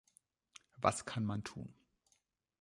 Was kann man tun?